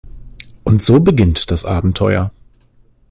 Und so beginnt das Abenteuer.